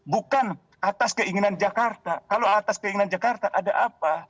bukan atas keinginan jakarta kalau atas keinginan jakarta ada apa